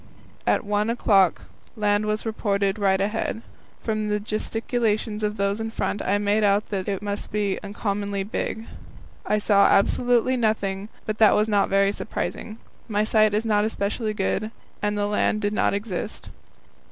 At one o'clock land was reported right ahead. From the gesticulations of those in front I made out that it must be uncommonly big. I saw absolutely nothing, but that was not very surprising. My sight is not specially good, and the land did not exist.